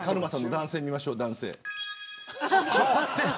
男性見ましょう。